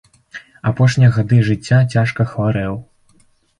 Апошнія гады жыцця цяжка хварэў.